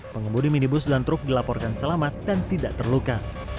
pengemudi minibus dan truk dilaporkan selamat dan tidak terluka